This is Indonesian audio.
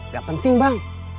gak penting bang